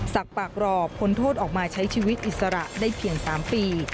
ปากรอพ้นโทษออกมาใช้ชีวิตอิสระได้เพียง๓ปี